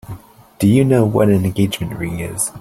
Do you know what an engagement ring is?